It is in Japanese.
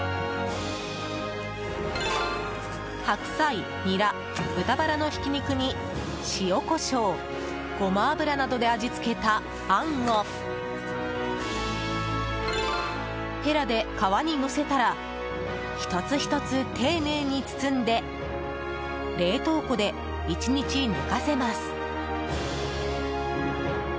白菜、ニラ、豚バラのひき肉に塩コショウ、ゴマ油などで味付けたあんをへらで皮にのせたら１つ１つ丁寧に包んで冷凍庫で１日寝かせます。